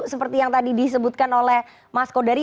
seperti yang tadi disebutkan oleh mas kodari